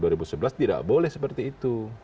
kemudian di tahun dua ribu sebelas tidak boleh seperti itu